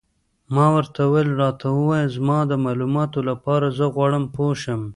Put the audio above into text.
ما ورته وویل: راته ووایه، زما د معلوماتو لپاره، زه غواړم پوه شم.